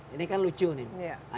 ini kan lucu nih